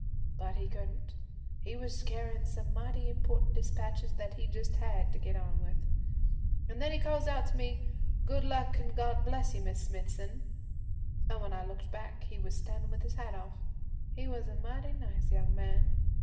But he couldn't, he was carryin' some mighty important dispatches that he just had to get on with. An' then he calls out to me, "Good luck and God bless you, Miss Smithson!" An' when I looked back he was standin' with his hat off. He was a mighty nice young man.